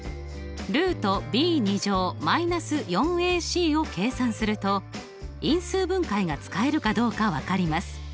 ルートｂ−４ｃを計算すると因数分解が使えるかどうか分かります。